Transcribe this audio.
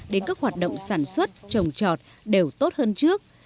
đến các hoạt động sản xuất trồng trọt đều tốt hơn trước